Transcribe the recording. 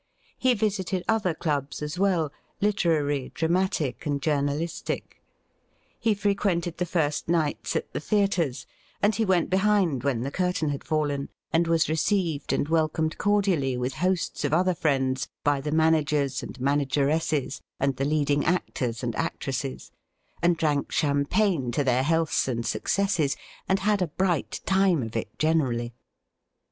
He visited other clubs as well — ^literary, dramatic, and journalistic. He frequented the first nights at the theatres, and he went behind when the curtain had fallen, and was received and welcomed cordially with hosts of other friends by the managers and manageresses and the leading actors and actresses, and drank champagne to their healths and successes, and had a bright time of it generally.